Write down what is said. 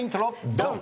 ドン！